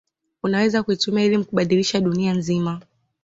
unaweza kuitumia elimu kubadilisha dunia nzima